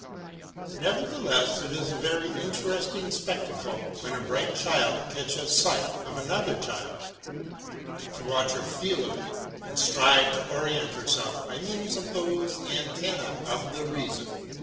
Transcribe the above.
Nevertheless it is a very interesting spectacle, when a bright child catches sight of another child, to watch her feel of it and strive to orient herself by means of those antennae of the reason.